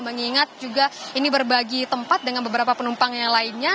mengingat juga ini berbagi tempat dengan beberapa penumpang yang lainnya